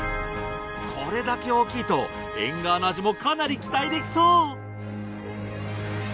これだけ大きいとエンガワの味もかなり期待できそう！